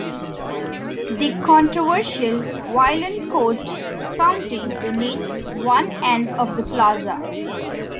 The controversial Vaillancourt Fountain dominates one end of the plaza.